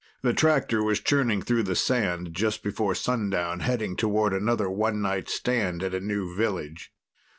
The tractor was churning through the sand just before sundown, heading toward another one night stand at a new village.